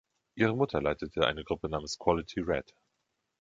Ihre Mutter leitete eine Gruppe namens Quality Red.